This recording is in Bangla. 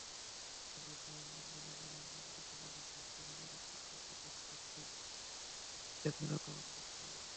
সাদিক আহমেদ মনে করেন, গুণগত মানের স্বাস্থ্যসেবা নিশ্চিত করতে প্রশাসনকে বিকেন্দ্রীকরণ করতে হবে।